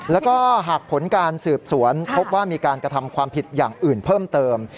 แล้วก็หากผลการสืบสวนพบว่ามีการกระทำความผิดอย่างอื่นเพิ่มเติม